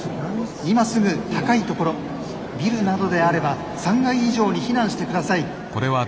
今すぐ高い所ビルなどであれば３階以上に避難してください。